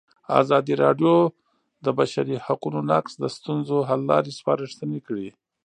ازادي راډیو د د بشري حقونو نقض د ستونزو حل لارې سپارښتنې کړي.